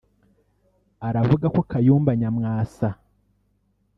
aravuga ko Kayumba Nyamwasa